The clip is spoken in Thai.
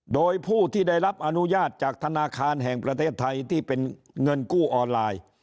โดยผู้ที่ได้รับอนุญาตจากธนาคารแห่งประเทศไทยที่เป็นเงินกู้ออนไลน์